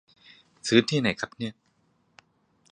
ซื้อที่ไหนครับเนี่ย